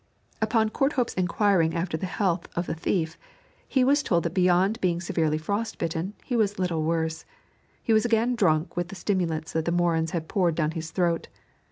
Upon Courthope's inquiring after the health of the thief, he was told that beyond being severely frost bitten he was little the worse. He was again drunk with the stimulants that the Morins had poured down his throat.